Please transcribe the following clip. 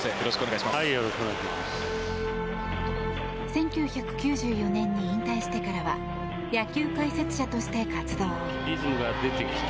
１９９４年に引退してからは野球解説者として活動。